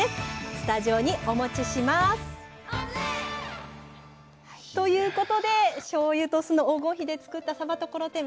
スタジオにお持ちします！ということでしょうゆと酢の黄金比で作った「さばところてん」